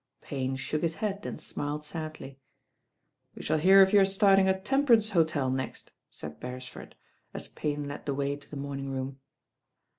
Payne shook his head and smiled sadly. "We shall hear of your starting a temperance hotel next," said Beresford, as Payne led the way to the morning room.